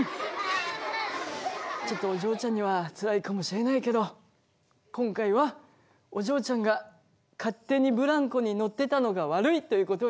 ちょっとお嬢ちゃんにはつらいかもしれないけど今回はお嬢ちゃんが勝手にブランコに乗ってたのが悪いということになりました。